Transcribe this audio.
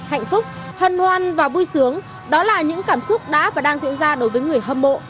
hạnh phúc hân hoan và vui sướng đó là những cảm xúc đã và đang diễn ra đối với người hâm mộ